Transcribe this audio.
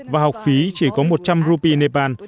và học phí chỉ có một trăm linh rupin nepal